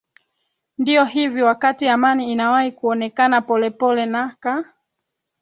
ndio hivi wakati amani inawahi kuonekana pole pole na ka